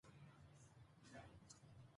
چې څه کار يې درسره دى?